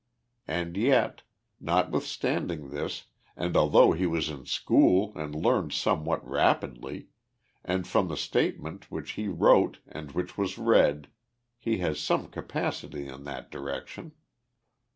And yet, notwithstanding this, and although he was in school and learned somewhat rapid ly ; and from the statement, which he wrote and which was read ; he has some capacity in that direction.